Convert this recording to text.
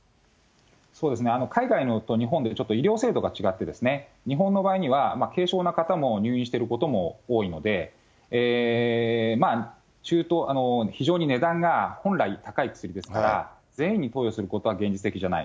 そうですね、海外と日本でちょっと、医療制度が違って、日本の場合には、軽症の方も入院していることも多いので、非常に値段が、本来高い薬ですから、全員に投与することは現実的じゃない。